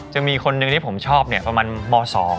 จะมีคนหนึ่งที่ผมชอบเนี่ยประมาณม๒